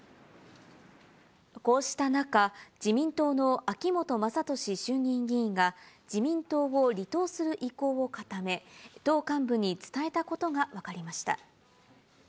こうした中、自民党の秋本真利衆議院議員が自民党を離党する意向を固め、党幹部に伝えたことが分かりました。